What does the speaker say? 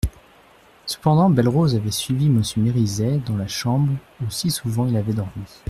Cependant Belle-Rose avait suivi Monsieur Mériset dans la chambre où si souvent il avait dormi.